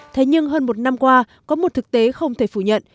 thế nhưng hơn một năm qua có một thực tế không thể phủ nhận